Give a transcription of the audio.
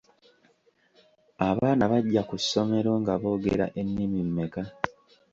Abaana bajja ku ssomero nga boogera ennimi mmeka?